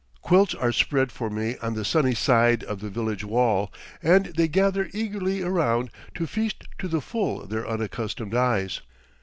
Quilts are spread for me on the sunny side of the village wall, and they gather eagerly around to feast to the full their unaccustomed eyes.